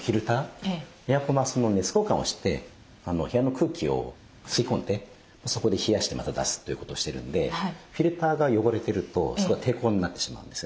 エアコンは熱交換をして部屋の空気を吸い込んでそこで冷やしてまた出すということをしてるんでフィルターが汚れてるとそこが抵抗になってしまうんですよね。